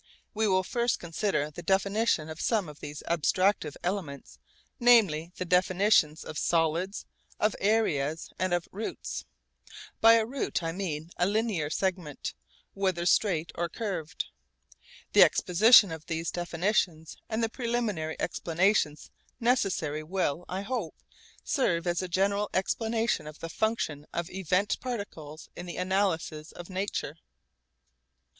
We will first consider the definition of some of these abstractive elements, namely the definitions of solids, of areas, and of routes. By a 'route' I mean a linear segment, whether straight or curved. The exposition of these definitions and the preliminary explanations necessary will, I hope, serve as a general explanation of the function of event particles in the analysis of nature.